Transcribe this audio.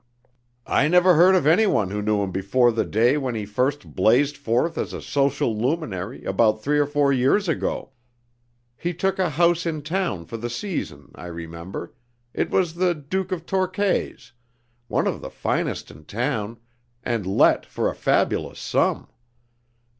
"I never heard of anyone who knew him before the day when he first blazed forth as a social luminary about three or four years ago. He took a house in town for the season, I remember it was the Duke of Torquay's one of the finest in town, and let for a fabulous sum.